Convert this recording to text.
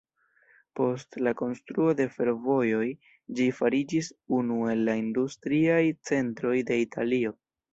Post la konstruo de fervojoj ĝi fariĝis unu el la industriaj centroj de Italio.